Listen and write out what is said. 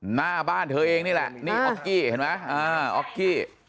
หน้าบ้านเธอเองนี่แหละนี่ออกกี้เห็นไหมออกกี้